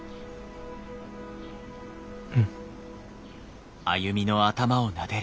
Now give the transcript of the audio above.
うん。